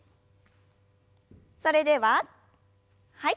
それでははい。